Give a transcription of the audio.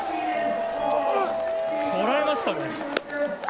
こらえましたね。